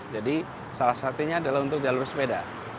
jadi salah satunya adalah untuk jalur sepeda